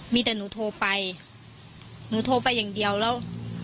มีแต่หนูโทรไปหนูโทรไปอย่างเดียวแล้ว